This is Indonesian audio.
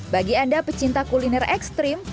bagi anda pecinta kuliner ekstrim